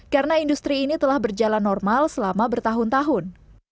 karena industri ini telah berjalan normal selama bertahun tahun